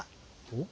おっ。